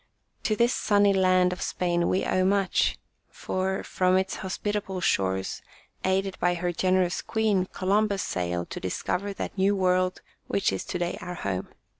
To this sunny land of Spain we owe much, for, from its hospitable shores, aided by her generous queen, Columbus sailed to discover that New World which is to day our home.